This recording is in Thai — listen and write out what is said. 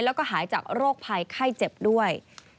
แล้วก็หายจากโรคภัยไข้เจ็บด้วย